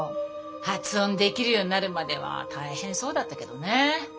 発音できるようになるまでは大変そうだったけどね。